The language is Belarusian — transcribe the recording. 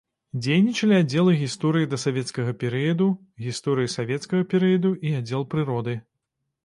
Дзейнічалі аддзелы гісторыі дасавецкага перыяду, гісторыі савецкага перыяду і аддзел прыроды.